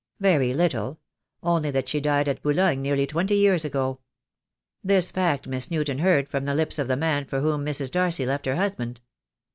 "Very little — only that she died at Boulogne nearly twenty years ago. This fact Miss Newton heard from the lips of the man for whom Mrs. Darcy left her husband.